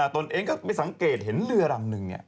ตนเองก็ไปสังเกตเห็นเรือลำนึง